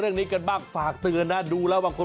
วิทยาลัยศาสตร์อัศวิทยาลัยศาสตร์